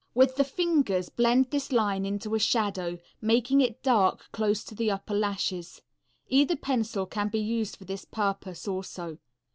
With the fingers blend this line into a shadow, making it dark close to the upper lashes. Either pencil can be used for this purpose also.